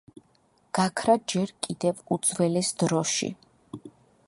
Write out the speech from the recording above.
გაქრა ჯერ კიდევ უძველეს დროში.